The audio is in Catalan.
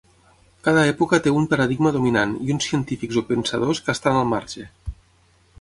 Cada època té un paradigma dominant i uns científics o pensadors que estan al marge.